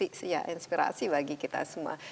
sudah menjadi contoh dan inspirasi bagi kita semua